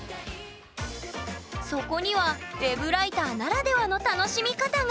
そこにはＷｅｂライターならではの楽しみ方が！